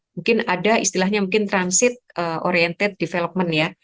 mungkin ada istilahnya mungkin transit oriented development ya